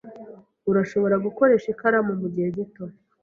Urashobora gukoresha ikaramu mugihe gito.